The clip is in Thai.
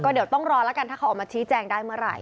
ก็เดียวต้องรอละกันถ้าเขามาที่แจ้งได้เมื่อไหร่